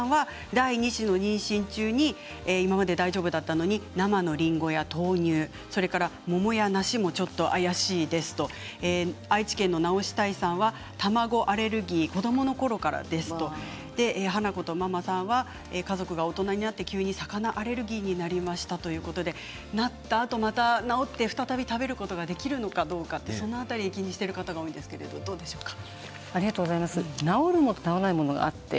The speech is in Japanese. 第二子の妊娠中に今まで大丈夫だったのに生のりんごや豆乳桃や梨も怪しいですと愛知県の方からは卵アレルギー子どものころからですと家族が大人になって急に魚アレルギーになりましたということでなったあとまた治って再び食べることができるのかどうかその辺り気にしている方が治るものと治らないものがあります。